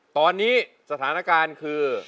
ตอนนี้สถานการณ์คือ